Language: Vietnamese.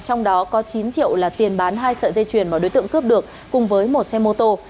trong đó có chín triệu là tiền bán hai sợi dây chuyền mà đối tượng cướp được cùng với một xe mô tô